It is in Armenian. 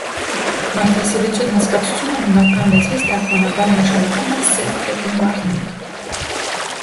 «Մարդասիրություն» հասկացությունը հունական լեզվից թարգմանաբար նշանակում է սեր դեպի մարդիկ։